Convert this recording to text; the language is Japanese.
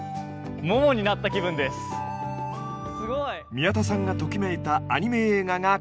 宮田さんがときめいたアニメ映画がこちら！